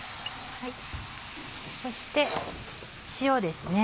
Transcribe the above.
そして塩ですね。